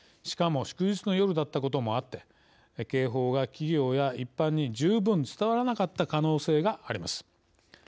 しかも祝日の夜だったこともあって警報が企業や一般に十分伝わらなかった可能性があります。